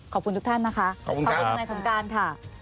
ขอบคุณทุกท่านนะคะขอบคุณครับขอบคุณทุกคนในสงการค่ะ